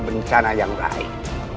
bencana yang raih